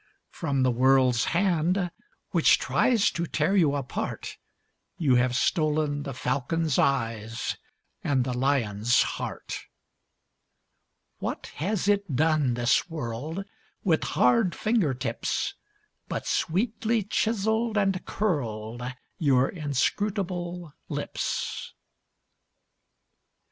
From the world's hand which tries To tear you apart You have stolen the falcon's eyes And the lion's heart. What has it done, this world, With hard finger tips, But sweetly chiseled and curled Your inscrutable lips?